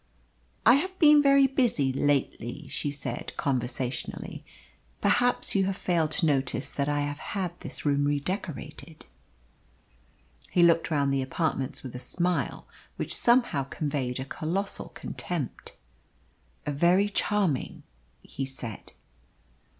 "I have been very busy lately," she said conversationally. "Perhaps you have failed to notice that I have had this room redecorated?" He looked round the apartments with a smile, which somehow conveyed a colossal contempt. "Very charming," he said.